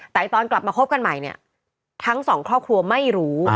แต่ตอนกลับมาคบกันใหม่เนี่ยทั้งสองครอบครัวไม่รู้